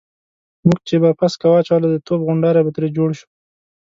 موږ چې به پسکه واچوله د توپ غونډاری به ترې جوړ شو.